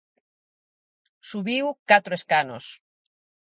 Subiu catro escanos.